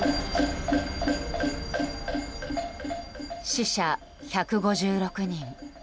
死者１５６人